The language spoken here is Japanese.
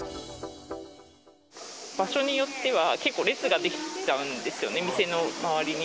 場所によっては、結構列が出来ちゃうんですよね、店の周りに。